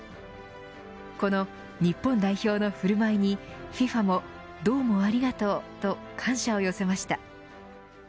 この日本代表の振る舞いにＦＩＦＡもどうもありがとうと感謝を寄せました。